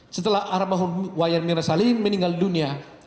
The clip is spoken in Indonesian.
setelah aramah wayang mirna salihin meninggal dunia